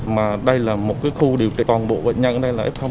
mà đây là một khu điều trị toàn bộ bệnh nhân ở đây là f một